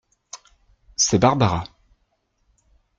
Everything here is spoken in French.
C’est Barbara.